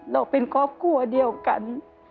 เราเป็นครอบครัวเดียวกัน